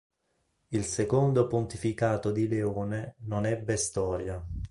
Il secondo pontificato di Leone non ebbe storia.